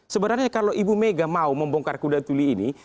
sebenarnya kalau ibu mega mau membongkar kudatuli ini